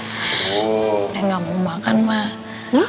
nek gak mau makan ma